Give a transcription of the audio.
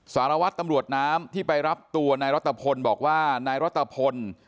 สารวัตรตำรวจน้ำที่ไปรับตัวนายรัฐพลบอกว่านายรัตภพล